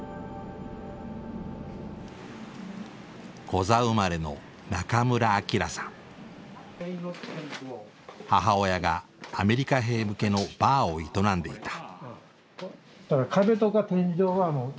コザ生まれの母親がアメリカ兵向けのバーを営んでいた。